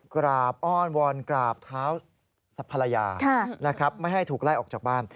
กราบอ้อนวอนกราบเท้าภรรยานะครับไม่ให้ถูกไล่ออกจากบ้าน